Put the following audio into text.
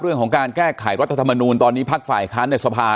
เรื่องของการแก้ไขรัฐธรรมนูลตอนนี้พักฝ่ายค้านในสภา